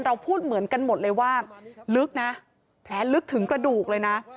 พูดเหมือนกันหมดเลยว่าลึกนะแผลลึกถึงกระดูกเลยนะ